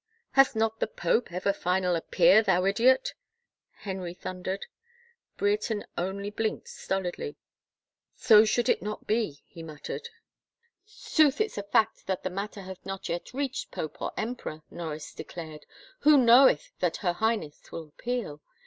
" Hath not the pope ever final appeal, thou idiot ?" Henry thundered. Brereton only blinked stolidly. " So should it not be," he muttered. 129 THE FAVOR OF KINGS " Sooth, it's a fact that the matter hath not yet reached pope or emperor," Norris declared. " Who knoweth that her Highness will appeal?